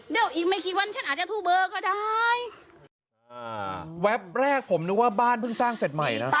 เดี๋ยวอีกไม่กี่วันฉันอาจจะทูบเบอร์ก็ได้อ่าแวบแรกผมนึกว่าบ้านเพิ่งสร้างเสร็จใหม่นะ